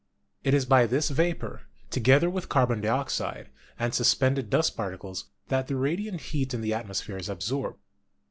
It is by this vapor, together with the carbon dioxide and suspended dust particles, that the radiant heat in the atmosphere is absorbed.